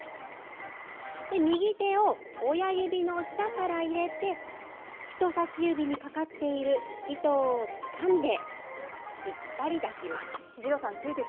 右手を親指の下から入れて、人さし指にかかっている糸をつかんで、引っ張り出します。